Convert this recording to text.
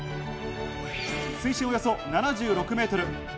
水深およそ７６メートル。